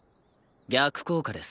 逆効果です。